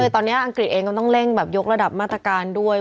ต้องเร่งยกระดับมาตรการด้วย